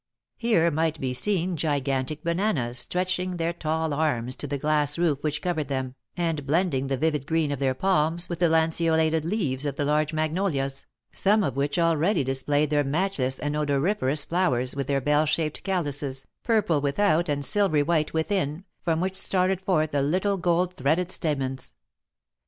Here might be seen gigantic bananas stretching their tall arms to the glass roof which covered them, and blending the vivid green of their palms with the lanceolated leaves of the large magnolias, some of which already displayed their matchless and odoriferous flowers with their bell shaped calices, purple without and silvery white within, from which started forth the little gold threaded stamens.